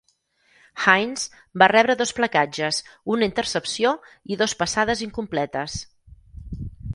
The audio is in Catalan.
Haynes va rebre dos placatges, una intercepció i dos passades incompletes.